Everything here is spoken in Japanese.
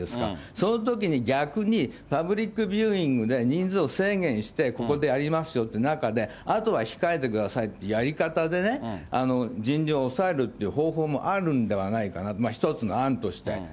そのときに逆にパブリックビューイングで人数を制限してここでやりますよっていう中で、あとは控えてくださいってやり方でね、人流を抑えるっていう方法もあるんではないかな、一つの案として。